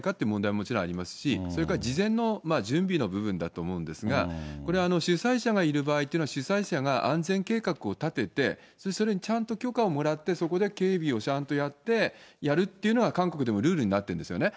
もちろんありますし、それから事前の準備の部分だと思うんですが、これ、主催者がいる場合っていうのは、主催者が安全計画を立てて、それにちゃんと許可をもらって、そこで警備をちゃんとやって、やるっていうのが、韓国でもルールになってるんですよね。